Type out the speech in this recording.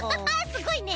すごいね。